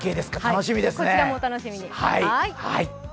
こちらもお楽しみに。